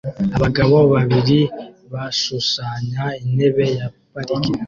Abagabo babiri bashushanya intebe ya parike